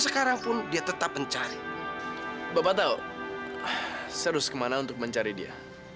sekarang pun dia tetap mencari bapak tahu saya harus kemana untuk mencari dia